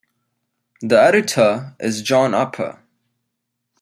The editor is John Upper.